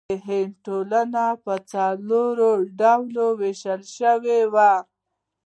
د هند ټولنه په څلورو ډلو ویشل شوې وه.